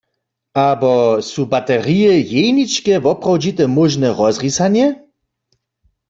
Abo su baterije jeničke woprawdźite móžne rozrisanje?